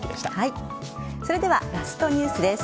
それではラストニュースです。